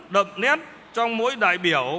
đậm nét trong mỗi đại biểu